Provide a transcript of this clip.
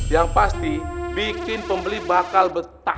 yang pasti bikin pembeli bakal betah